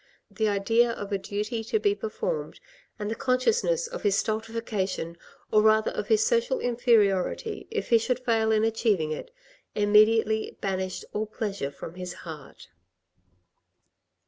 The idea of a duty to be performed and the consciousness of his stultification, or rather of his social inferiority, if he should fail in acheiving it, immediately banished all pleasure from his heart.